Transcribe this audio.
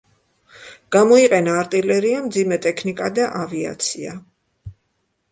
გამოიყენა არტილერია, მძიმე ტექნიკა და ავიაცია.